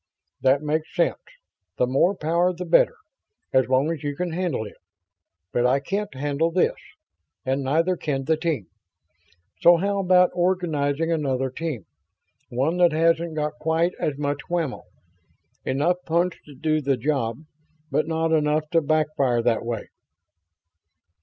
"That makes sense. The more power the better, as long as you can handle it. But I can't handle this. And neither can the team. So how about organizing another team, one that hasn't got quite so much whammo? Enough punch to do the job, but not enough to backfire that way?"